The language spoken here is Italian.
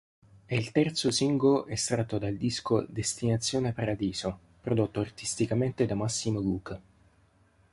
È il terzo singolo estratto dal disco "Destinazione Paradiso" prodotto artisticamente da Massimo Luca.